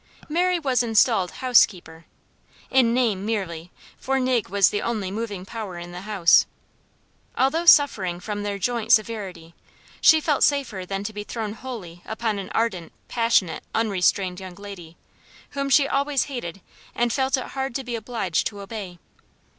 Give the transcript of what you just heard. Mary was installed housekeeper in name merely, for Nig was the only moving power in the house. Although suffering from their joint severity, she felt safer than to be thrown wholly upon an ardent, passionate, unrestrained young lady, whom she always hated and felt it hard to be obliged to obey.